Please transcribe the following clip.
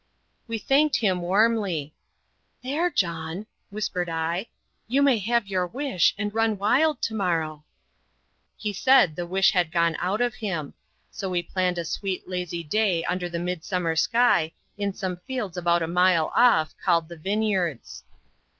We thanked him warmly. "There, John," whispered I, "you may have your wish, and run wild to morrow." He said, "the wish had gone out of him." So we planned a sweet lazy day under the Midsummer sky, in some fields about a mile off, called the Vineyards.